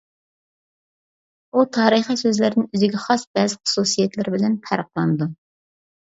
ئۇ تارىخى سۆزلەردىن ئۆزىگە خاس بەزى خۇسۇسىيەتلىرى بىلەن پەرقلىنىدۇ.